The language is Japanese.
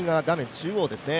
中央ですね。